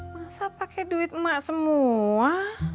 masa pake duit mak semua